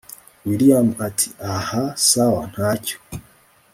william ati hahaha sawa ntacyo